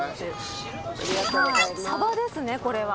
サバですねこれは。